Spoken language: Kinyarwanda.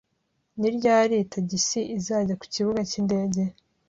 Ni ryari tagisi izajya ku kibuga cy'indege?